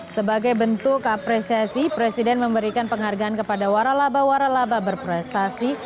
sebagai bentuk apresiasi presiden memberikan penghargaan kepada warah laba warah laba berprestasi